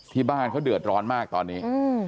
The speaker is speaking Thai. ที่บ้านเขาเดือดร้อนมากตอนนี้